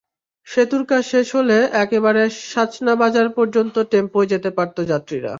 সেতুর কাজ শেষ হলে একেবারে সাচনাবাজার পর্যন্ত টেম্পোয় যেতে পারত যাত্রীরা।